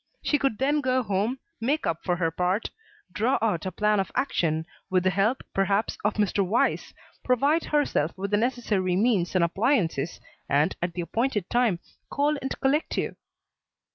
She could then go home, make up for her part; draw out a plan of action, with the help, perhaps, of Mr. Weiss, provide herself with the necessary means and appliances and, at the appointed time, call and collect you."